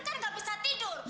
kan gak bisa tidur